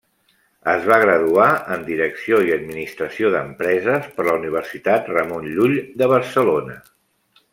Es va graduar en Direcció i Administració d'Empreses per la Universitat Ramon Llull de Barcelona.